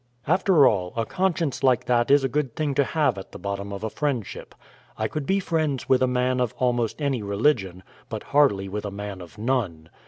After all, a conscience like that is a good thing to have at the bottom of a friendship. I could be friends with a man of almost any religion, but hardly with a man of none.